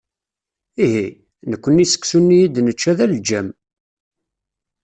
Ihi! Nekkni, seksu-nni i d-nečča d aleǧǧam.